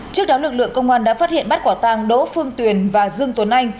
trước đó lực lượng công an đã phát hiện bắt quả tàng đỗ phương tuyền và dương tuấn anh